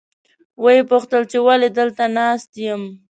ویې پوښتل چې ولې دلته ناست یم.